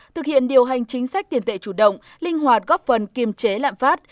thực hiện điều hành chính sách tiền tệ chủ động linh hoạt góp phần kiềm chế lạm phát